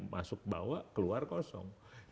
masuk bawa keluar kosong